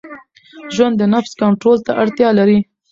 ژوند د نفس کنټرول ته اړتیا لري.